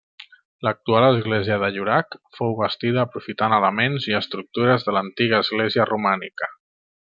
L'actual església de Llorac fou bastida aprofitant elements i estructures de l'antiga església romànica.